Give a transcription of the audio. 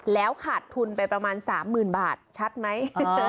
แล้วขาดทุนไปประมาณ๓๐๐๐บาทชัดไหม